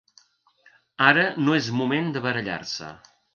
Ara no és moment de barallar-se.